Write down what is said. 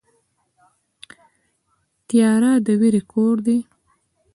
تیاره د وېرې کور دی.